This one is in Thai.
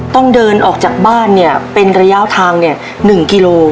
ต้องเดินออกจากบ้านเนี่ยเป็นระยะทางเนี่ย๑กิโล